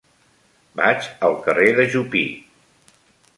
Vaig al carrer de Jupí.